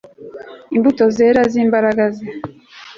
Imbuto zera zimbaraga ze